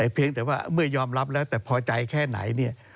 เพียงแต่ว่าเมื่อยอมรับแล้วแต่พอใจแค่ไหนเนี่ย